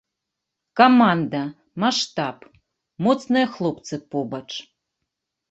Каманда, маштаб, моцныя хлопцы побач.